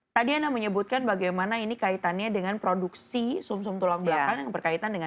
tadi anda menyebutkan bagaimana ini kaitannya dengan produksi sum sum tulang belakang yang berkaitan dengan